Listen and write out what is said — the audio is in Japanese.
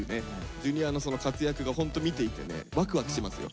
Ｊｒ．のその活躍がホント見ていてねワクワクしますよ。